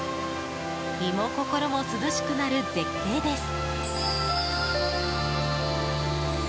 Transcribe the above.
身も心も涼しくなる絶景です。